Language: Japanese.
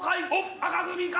赤組か？